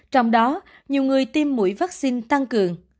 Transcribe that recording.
trong đó nhiều người tiêm mũi vaccine tăng cường